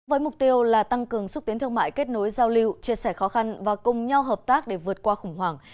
với mục tiêu là tăng cường xúc tiến thương mại kết nối giao lưu chia sẻ khó khăn và cùng nhau hợp tác để vượt qua khủng hoảng